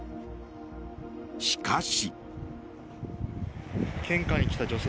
しかし。